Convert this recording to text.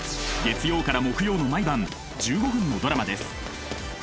月曜から木曜の毎晩１５分のドラマです。